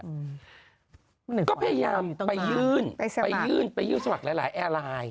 อืมก็พยายามไปยื่นไปใช่ไหมไปยื่นไปยื่นสมัครหลายหลายแอร์ไลน์